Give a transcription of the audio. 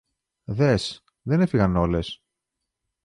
Δες, δεν έφυγαν όλες